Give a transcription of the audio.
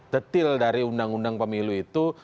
detil dari undang undang pemilu itu